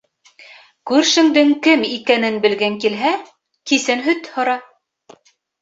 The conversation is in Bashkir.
Күршеңдең кем икәнен белгең килһә, кисен һөт һора.